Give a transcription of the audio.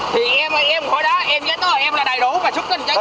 thì em ơi em khỏi đó em nhớ tôi em là đầy đủ và chúc tình cho tôi